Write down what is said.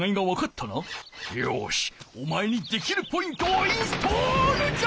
よしおまえにできるポイントをインストールじゃ！